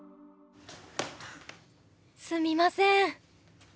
すみません！